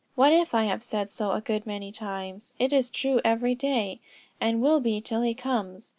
What if I have said so a good many times, it is true every day, and will be till he comes.